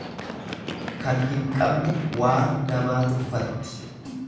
Kan hin qabne waan namaa tuffatti.